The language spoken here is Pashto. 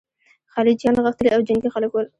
خلجیان غښتلي او جنګي خلک ول.